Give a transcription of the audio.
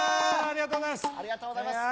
ありがとうございます。